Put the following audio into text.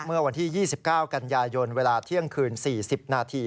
เมื่อวันที่๒๙กันยายนเวลาเที่ยงคืน๔๐นาที